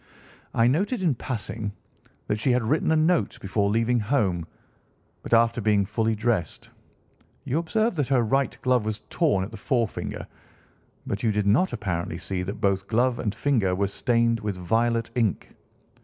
"I noted, in passing, that she had written a note before leaving home but after being fully dressed. You observed that her right glove was torn at the forefinger, but you did not apparently see that both glove and finger were stained with violet ink.